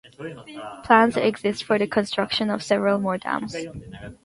Plans exist for the construction of several more dams.